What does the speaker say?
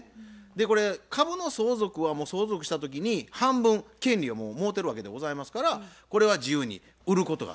これ株の相続はもう相続した時に半分権利をもうもろてるわけでございますからこれは自由に売ることができると。